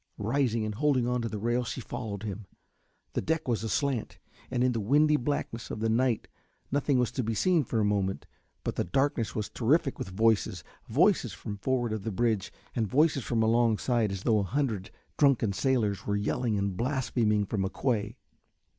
Rising and holding on to the rail she followed him. The deck was aslant, and in the windy blackness of the night nothing was to be seen for a moment; but the darkness was terrific with voices, voices from forward of the bridge and voices from alongside as though a hundred drunken sailors were yelling and blaspheming from a quay.